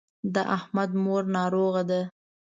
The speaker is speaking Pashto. د احمد مور ناروغه ده.